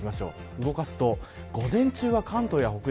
動かすと午前中は関東や北陸